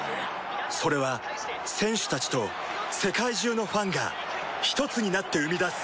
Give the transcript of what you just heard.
それは選手たちと世界中のファンがひとつになって生み出す